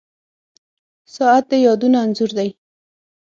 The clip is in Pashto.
• ساعت د یادونو انځور دی.